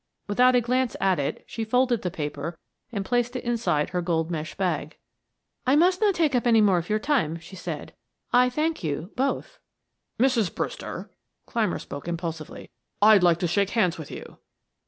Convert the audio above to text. Without a glance at it, she folded the paper and placed it inside her gold mesh bag. "I must not take up any more of your time," she said. "I thank you both." "Mrs. Brewster." Clymer spoke impulsively. "I'd like to shake hands with you."